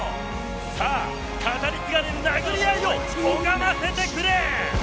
さあ、語り継がれる殴り合いを拝ませてくれ！